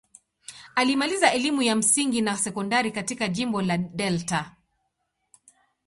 Alimaliza elimu ya msingi na sekondari katika jimbo la Delta.